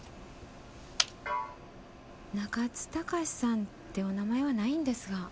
「なかつたかし」さんってお名前はないんですが。